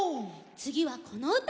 つぎはこのうた！